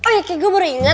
oh iya kayak gue baru inget